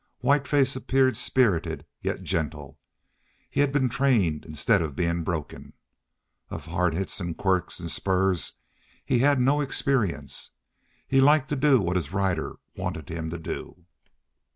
Whiteface appeared spirited, yet gentle. He had been trained instead of being broken. Of hard hits and quirts and spurs he had no experience. He liked to do what his rider wanted him to do.